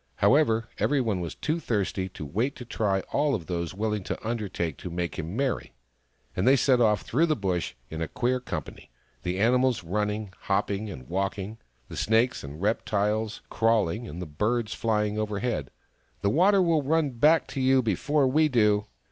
However, every one was too thirsty to wait to try all those willing to undertake to make him merry : and they set off through the Bush in a queer company, the animals running, hopping or walking, the snakes and reptiles 122 THE FROG THAT LAUGHED crawling, and the birds flying overhead. " The water will run back to you before we do